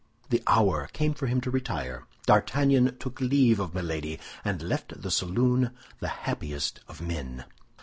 The hour came for him to retire. D'Artagnan took leave of Milady, and left the saloon the happiest of men.